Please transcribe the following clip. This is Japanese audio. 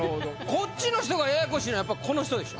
こっちの人がややこしいのはやっぱこの人でしょ。